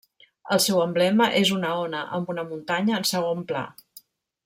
El seu emblema és una ona, amb una muntanya en segon pla.